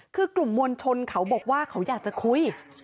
คือกลุ่มมวลชนเขาบอกว่าเขาอยากจะคุย